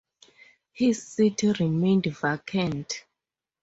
His seat remained vacant.